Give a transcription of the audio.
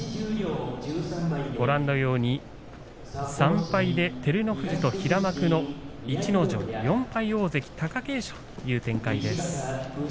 ご覧のように３敗で照ノ富士と平幕の逸ノ城４敗で大関貴景勝という展開です。